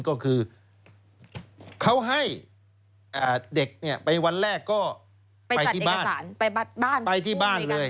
ก็คือเขาให้เด็กไปวันแรกก็ไปที่บ้าน